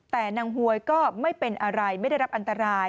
แต่นางหวยก็ไม่เป็นอะไรไม่ได้รับอันตราย